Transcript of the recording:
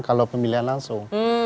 kalau pemilihan langsung